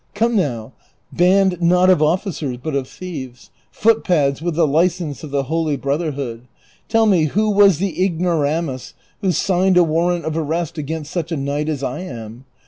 Come now ; band, not of officers, but of thieves ; footpads with the license of the Holy Brotherhood ; tell me who was the ignora mus who signed a warrant of arrest against such a knight as I am